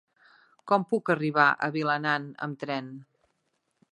Com puc arribar a Vilanant amb tren?